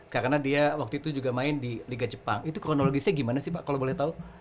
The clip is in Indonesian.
karena dia waktu itu juga main di liga jepang itu kronologisnya gimana sih pak kalau boleh tahu